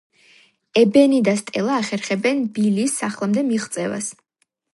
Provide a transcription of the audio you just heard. ებენი და სტელა ახერხებენ ბილის სახლამდე მიღწევას.